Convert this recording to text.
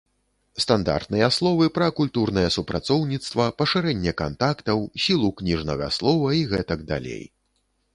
Стандартныя словы пра культурнае супрацоўніцтва, пашырэнне кантактаў, сілу кніжнага слова і гэтак далей.